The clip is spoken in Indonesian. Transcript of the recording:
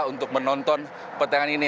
untuk menonton pertandingan ini